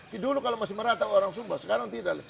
di dulu kalau masih merata orang sumba sekarang tidak